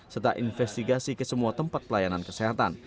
serta investigasi ke semua tempat pelayanan kesehatan